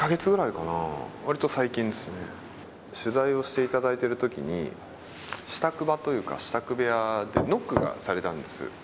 取材をしていただいてる時に支度場というか、支度部屋でノックがされたんです。